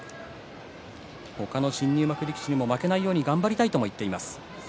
他の新入幕力士に負けないように頑張りたいと話していました。